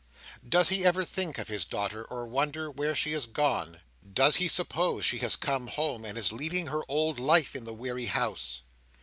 Does he ever think of his daughter, or wonder where she is gone? Does he suppose she has come home, and is leading her old life in the weary house?